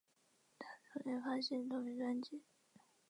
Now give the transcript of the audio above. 同年发行同名专辑。